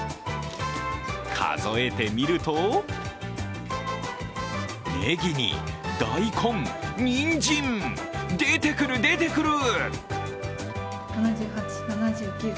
数えてみるとねぎに大根、にんじん、出てくる出てくる！